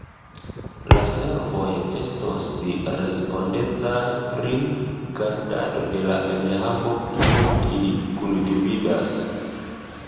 La servoj estos respondecaj pri gardado de la enhavo kiun ili kundividas.